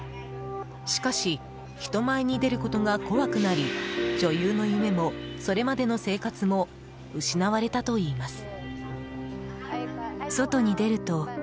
しかし、人前に出ることが怖くなり女優の夢も、それまでの生活も失われたといいます。